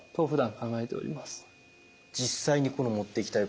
実際にこの持っていきたい